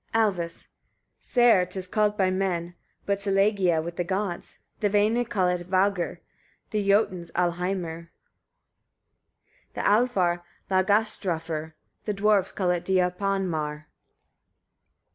Alvis. 25. Sær 'tis called by men, but silægia with the gods; the vanir call it vagr, the Jotuns alheimr, the Alfar lagastafr, the Dwarfs call it diupan mar.